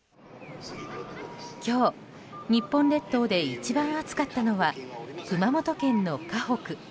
今日、日本列島で一番暑かったのは熊本県の鹿北。